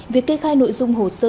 việc kê khai nội dung hồ sơ